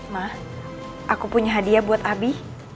mah aku punya hadiah buat abi